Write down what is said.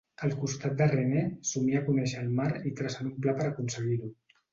Al costat de René, somia conèixer el mar i tracen un pla per aconseguir-ho.